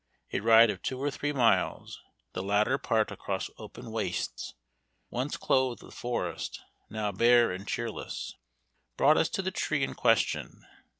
A ride of two or three miles, the latter part across open wastes, once clothed with forest, now bare and cheerless, brought us to the tree in question.